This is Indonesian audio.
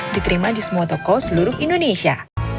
diterima di semua toko seluruh indonesia